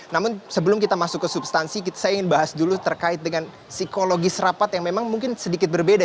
namun sebelum kita masuk ke substansi saya ingin bahas dulu terkait dengan psikologis rapat yang memang mungkin sedikit berbeda